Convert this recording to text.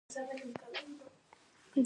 د میوو کیک او کلچې جوړیږي.